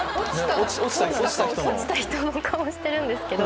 落ちた人の顔してるんですけど。